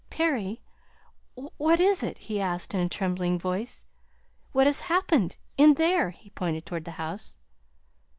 "Perry, what is it?" he asked in a trembling voice. "What has happened in there?" He pointed toward the house.